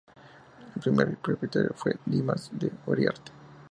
El primer propietario fue Dimas Uriarte.